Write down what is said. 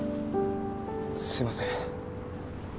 すいません